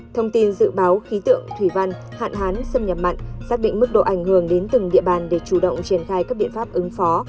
thông tin dự báo khí tượng thủy văn hạn hán xâm nhập mặn xác định mức độ ảnh hưởng đến từng địa bàn để chủ động triển khai các biện pháp ứng phó